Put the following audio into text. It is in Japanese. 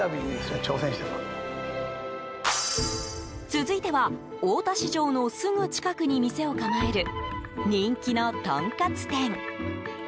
続いては大田市場のすぐ近くに店を構える人気のとんかつ店。